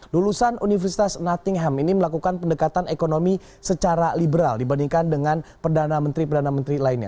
lulusan universitas nottingham ini melakukan pendekatan ekonomi secara liberal dibandingkan dengan perdana menteri perdana menteri lainnya